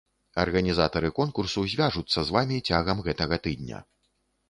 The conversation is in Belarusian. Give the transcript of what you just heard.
Арганізатары конкурсу звяжуцца з вамі цягам гэтага тыдня.